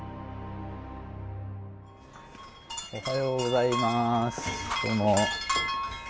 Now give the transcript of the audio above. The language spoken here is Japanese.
おはようございますどうも。